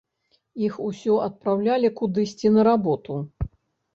Іх усё адпраўлялі кудысьці на работу.